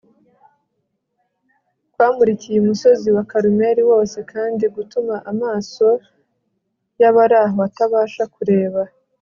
kwamurikiye umusozi wa Karumeli wose kandi gutuma amaso yabari aho atabasha kureba